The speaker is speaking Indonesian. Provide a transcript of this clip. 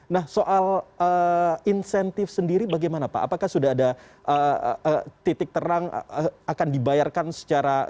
nah soal insentif sendiri bagaimana pak apakah sudah ada titik terang akan dibayarkan secara